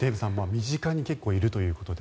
身近に結構いるということで。